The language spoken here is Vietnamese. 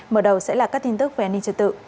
mở đầu sẽ là các tin tức về an ninh trật tự